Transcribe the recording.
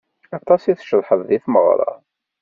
Aṭas i tceḍḥeḍ di tmeɣra.